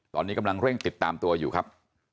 ตอนนี้กำลังเร่งติดตามตัวอยู่ครับ